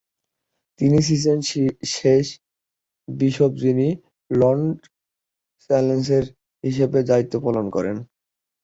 তিনি ছিলেন শেষ বিশপ যিনি লর্ড চ্যান্সেলর হিসেবে দায়িত্ব পালন করেন।